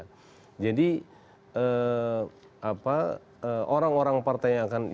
jadi orang orang partai yang ada di dpr itu bisa dijadikan alat untuk membuatnya lebih berguna